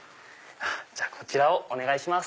こちらをお願いします。